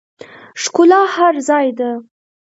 ښکلا هر ځای ده